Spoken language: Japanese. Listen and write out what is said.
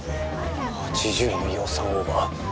８０円の予算オーバー。